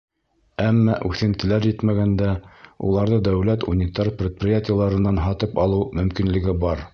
Әммә үҫентеләр етмәгәндә уларҙы дәүләт унитар предприятиеларынан һатып алыу мөмкинлеге бар.